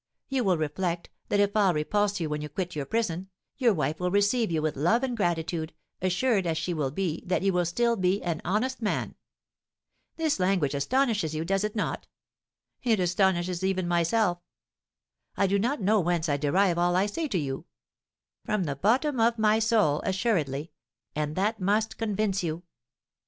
You will reflect that if all repulse you when you quit your prison, your wife will receive you with love and gratitude, assured, as she will be, that you will still be an honest man. This language astonishes you, does it not? It astonishes even myself. I do not know whence I derive all I say to you; from the bottom of my soul, assuredly and that must convince you!